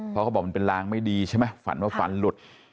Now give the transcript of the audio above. เพราะเขาบอกมันเป็นลางไม่ดีใช่ไหมฝันว่าฝันหลุด